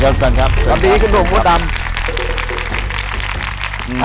สวัสดีคุณครับสวัสดีคุณครับข้าวดำขอบคุณครับ